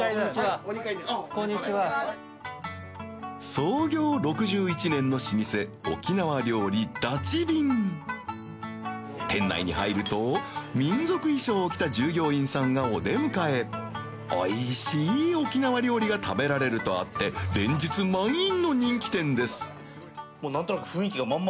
創業６１年の老舗沖縄料理抱瓶店内に入ると民族衣装を着た従業員さんがお出迎え美味しい沖縄料理が食べられるとあって満員の人気店です宮本）